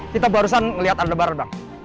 kita baru saja melihat alat lebaran bang